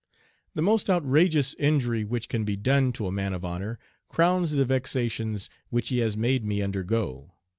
"The most outrageous injury which can be done to a man of honor crowns the vexations which he has made me undergo.